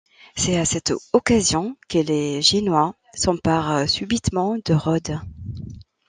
C'est à cette occasion que les Génois s'emparent subitement de Rhodes.